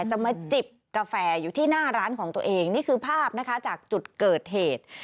จะมาจิบกาแฟอยู่ที่หน้าร้านของตัวเองนี่คือภาพนะคะจากจุดเกิดเหตุ